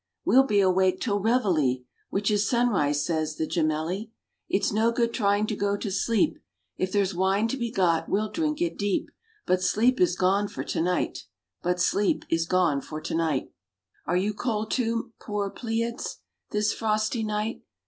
"We'll be awake till reveille, Which is Sunrise," say the Gemelli, "It's no good trying to go to sleep: If there's wine to be got we'll drink it deep, But sleep is gone for to night But sleep is gone for to night." "Are you cold, too, poor Pleiads, This frosty night?"